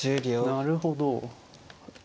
なるほど。